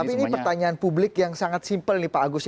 tapi ini pertanyaan publik yang sangat simpel nih pak agus